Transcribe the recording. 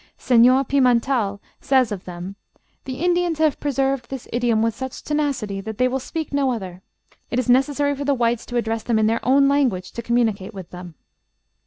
Señor Pimental says of them, "The Indians have preserved this idiom with such tenacity that they will speak no other; it is necessary for the whites to address them in their own language to communicate with them."